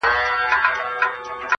ددې ښايستې نړۍ بدرنگه خلگ.